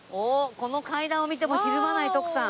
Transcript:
この階段を見てもひるまない徳さん。